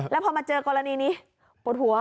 แล้วพอมาเจอกรณีนี้ปวดหัว